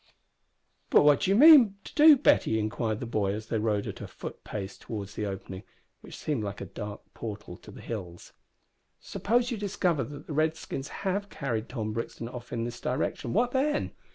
"And what d'ye mean to do, Betty?" inquired the boy as they rode at a foot pace towards the opening, which seemed like a dark portal to the hills. "Suppose you discover that the Redskins have carried Tom Brixton off in this direction, what then?